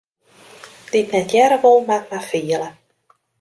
Dy't net hearre wol, moat mar fiele.